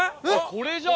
これじゃん！